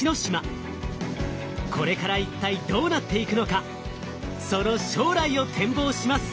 これから一体どうなっていくのかその将来を展望します！